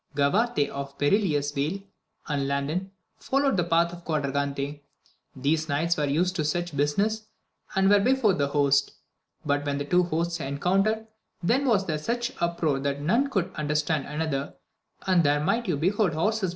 Gavarte of the Perilous Vale, and Landin followed the path of Quadragante ; these knights were used to such business, and were before the host ; but when the two hosts encountered, then was there such uproar that none could under stand another, and there might you behold horses AMADIS OF GAUL.